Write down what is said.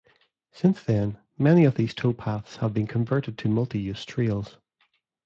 Since then, many of these towpaths have been converted to multi-use trails.